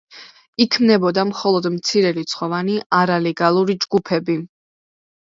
იქმნებოდა მხოლოდ მცირერიცხოვანი არალეგალური ჯგუფები.